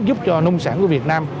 giúp cho nông sản của việt nam